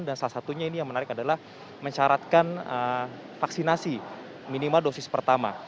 dan salah satunya ini yang menarik adalah mencaratkan vaksinasi minimal dosis pertama